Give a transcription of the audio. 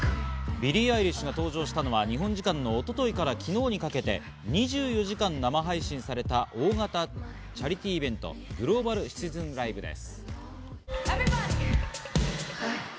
ビリー・アイリッシュが登場したのは日本時間の一昨日から昨日にかけて２４時間生配信された大型チャリティーイベント、グローバル・シチズン・ライブです。